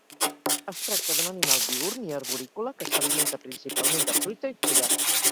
Es tracta d'un animal diürn i arborícola que s'alimenta principalment de fruita i fulles.